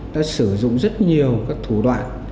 đã sử dụng rất nhiều các thủ đoạn